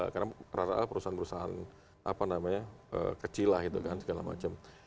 karena rata rata perusahaan perusahaan kecil lah itu kan segala macam